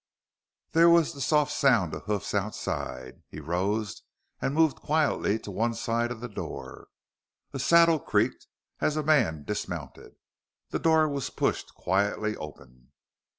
There was the soft sound of hoofs outside. He rose and moved quietly to one side of the door. A saddle creaked as a man dismounted. The door was pushed quietly open.